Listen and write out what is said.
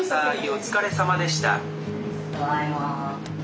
ただいま。